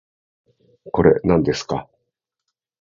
これ、なんですか